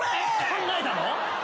「考えたの？」